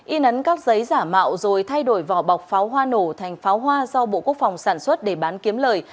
in ấn các giấy giả mạo rồi thay đổi vỏ bọc pháo hoa nổ thành pháo hoa do bộ quốc phòng sản xuất để bán kiếm lời